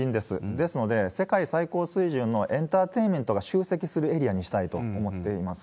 ですので、世界最高水準のエンターテイメントが集積するエリアにしたいと思っています。